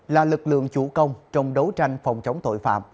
là lực lượng chủ công trong đấu tranh phòng chống tội phạm